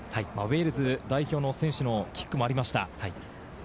ウェールズ代表の選手のキックもありました。